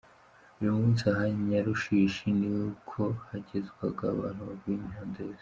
Buri munsi aha Nyarushishi ni ko hagezwaga abantu bavuye imihanda yose.